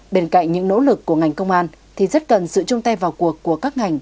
bên cạnh những nỗ lực của ngành công an thì rất cần sự chung tay vào cuộc của các ngành